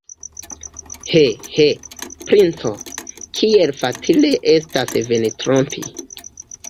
He, he, princo, kiel facile estas vin trompi!